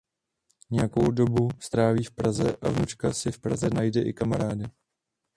Nějakou dobu stráví v Praze a vnučka si v Praze najde i kamaráda.